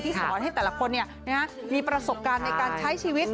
สอนให้แต่ละคนมีประสบการณ์ในการใช้ชีวิต